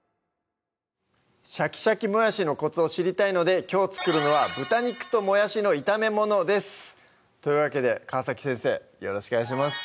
シャキシャキもやしのコツを知りたいのできょう作るのは「豚肉ともやしの炒めもの」ですというわけで川先生よろしくお願いします